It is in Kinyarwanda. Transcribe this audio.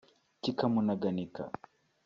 kikamunaganika